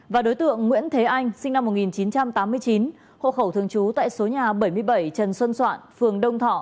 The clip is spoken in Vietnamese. và đối tượng nguyễn thế anh sinh năm một nghìn chín trăm tám mươi chín hộ khẩu thường trú tại số nhà bảy mươi bảy trần xuân soạn phường đông thọ